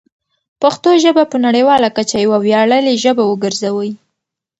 پښتو ژبه په نړیواله کچه یوه ویاړلې ژبه وګرځوئ.